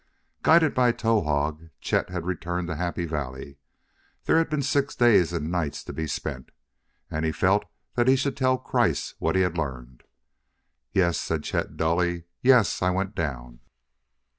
Guided by Towahg, Chet had returned to Happy Valley. There had been six days and nights to be spent, and he felt that he should tell Kreiss what he had learned. "Yes," said Chet dully; "yes, I went down."